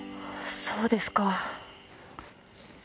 そうですか。